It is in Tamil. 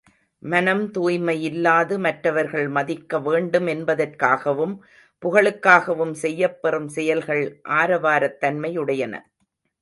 மனம் தூய்மையில்லாது மற்றவர்கள் மதிக்க வேண்டும் என்பதற்காகவும் புகழுக்காகவும் செய்யப் பெறும் செயல்கள் ஆரவாரத் தன்மையுடையன.